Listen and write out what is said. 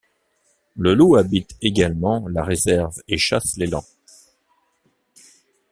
Le loup habite également la réserve et chasse l'élan.